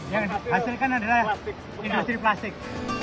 yang dihasilkan adalah industri plastik